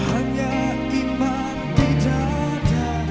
hanya iman tidak ada